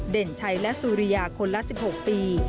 เด่นชัยและสุริยาคนละ๑๖ปี